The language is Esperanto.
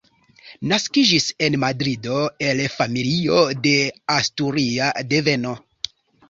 Naskiĝis en Madrido, el familio de asturia deveno.